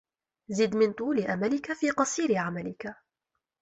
زِدْ مِنْ طُولِ أَمَلِك فِي قَصِيرِ عَمَلِك